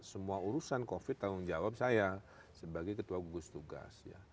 semua urusan covid tanggung jawab saya sebagai ketua gugus tugas